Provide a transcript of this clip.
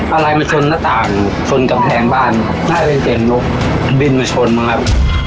อะไรมาชนหน้าต่างชนกำแพงบ้านน่าจะเป็นเสียงนกบินมาชนบ้างครับ